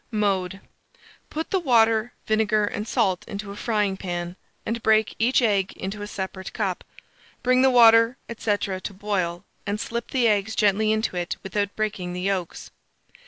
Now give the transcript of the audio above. Mode. Put the water, vinegar, and salt into a frying pan, and break each egg into a separate cup; bring the water, &c. to boil, and slip the eggs gently into it without breaking the yolks.